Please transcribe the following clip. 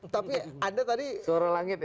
tapi anda tadi suara langit ya